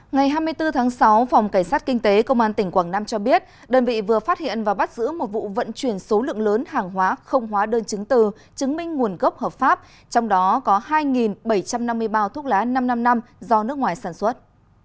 ngày hai mươi bốn tháng sáu phòng cảnh sát kinh tế công an tỉnh quảng nam cho biết đơn vị vừa phát hiện và bắt giữ một vụ vận chuyển số lượng lớn hàng hóa không hóa đơn chứng từ chứng minh nguồn gốc hợp pháp trong đó có hai bảy trăm năm mươi bao thuốc lá năm trăm năm mươi năm do nước ngoài sản xuất